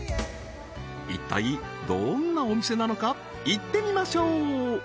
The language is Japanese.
一体どんなお店なのか行ってみましょう！